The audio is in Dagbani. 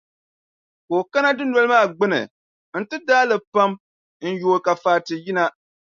Ka o kana dunoli maa gbuni nti daai li pam n-yooi ka Fati yina.